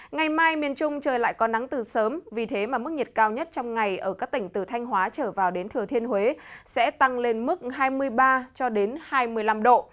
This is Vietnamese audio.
ngày mai miền trung trời lại có nắng từ sớm vì thế mà mức nhiệt cao nhất trong ngày ở các tỉnh từ thanh hóa trở vào đến thừa thiên huế sẽ tăng lên mức hai mươi ba hai mươi năm độ